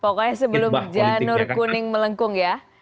pokoknya sebelum janur kuning melengkung ya